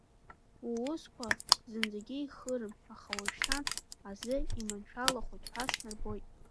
Уусқәа зынӡагьы ихирым, аха уажәшьҭан азы иманшәалахоит ҳәа снарбоит!